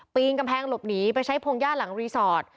กำแพงหลบหนีไปใช้พงหญ้าหลังรีสอร์ท